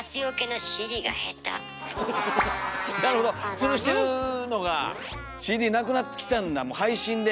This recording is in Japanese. つるしてるのがＣＤなくなってきたんだ配信で。